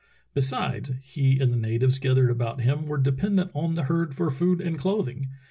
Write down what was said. Besides, he and the natives gathered about him were dependent on the herd for food and clothing.